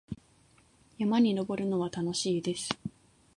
山に登るのは楽しいです。